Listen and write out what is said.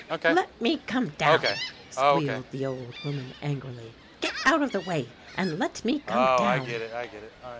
"'Let me come down,' squealed the old woman angrily; 'get out of the way, and let me come down.